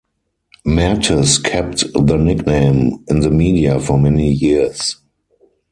Mertes kept the nickname in the media for many years.